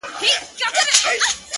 ما مجسمه د بې وفا په غېږ كي ايښې ده!